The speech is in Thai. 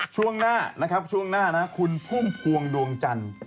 ช่วงหน้านะครับช่วงหน้านะคุณพุ่มพวงดวงจันทร์